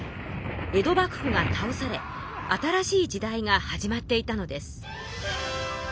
江戸幕府が倒され新しい時代が始まっていたのです。